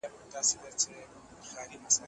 عدالت د ټولنې د باور، نظم او ثبات بنسټ دی.